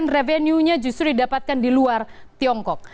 revenuenya justru didapatkan di luar tiongkok